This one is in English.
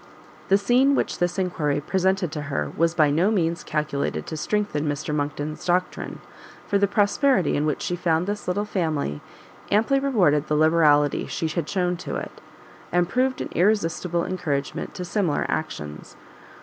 The scene which this enquiry presented to her, was by no means calculated to strengthen Mr Monckton's doctrine, for the prosperity in which she found this little family, amply rewarded the liberality she had shewn to it, and proved an irresistible encouragement to similar actions.